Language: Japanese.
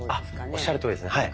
おっしゃるとおりですねはい。